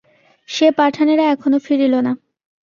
সে পাঠানেরা এখনও ফিরিল না?